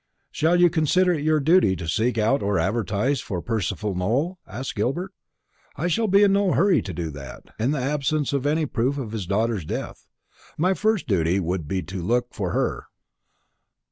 "Shall you consider it your duty to seek out or advertise for Percival Nowell?" asked Gilbert. "I shall be in no hurry to do that, in the absence of any proof of his daughter's death. My first duty would be to look for her."